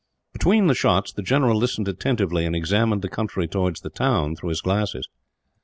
Between the shots the general listened attentively, and examined the country towards the town through his glasses.